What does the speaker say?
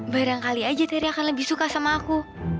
barangkali aja tri akan lebih suka sama aku